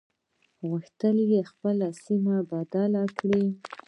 غوښتل يې خپله سيمه بدله کړي.